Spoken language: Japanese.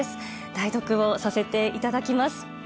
代読をさせていただきます。